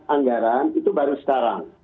anggaran itu baru sekarang